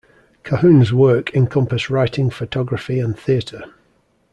Cahun's work encompassed writing, photography, and theater.